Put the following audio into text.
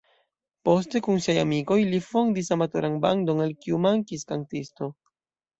Poste, kun siaj amikoj, li fondis amatoran bandon, al kiu mankis kantisto.